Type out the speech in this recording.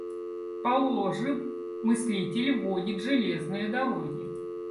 Положим, мыслитель вводит железные дороги.